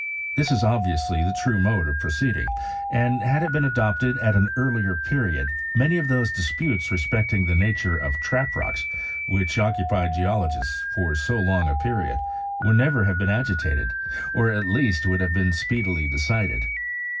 This is obviously the true mode of pro ceeding, and, had it been adopted at an earlierperiodi many of those disputes respecting the nature d trap rocks, which occupied geologists for so long » period, would never have been agitated ; or, atieasti would have been speedily decided.